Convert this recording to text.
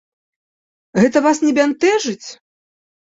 Гэта вас не бянтэжыць?